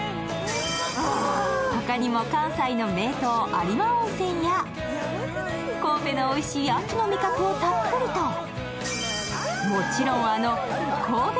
他にも関西の名湯、有馬温泉や神戸のおいしい秋の味覚をたっぷりと。え？